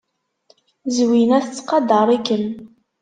Zwina tettqadar-ikem.